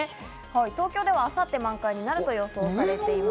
東京では明後日、満開になると予想されています。